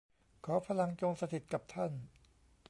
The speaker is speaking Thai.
ขอพลังจงสถิตย์กับท่าน